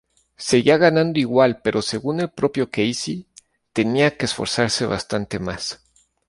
Seguía ganando igual pero según el propio Casey, tenía que esforzarse bastante más.